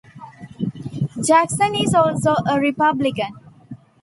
Jackson is also a republican.